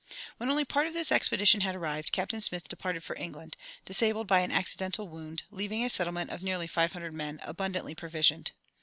When only part of this expedition had arrived, Captain Smith departed for England, disabled by an accidental wound, leaving a settlement of nearly five hundred men, abundantly provisioned.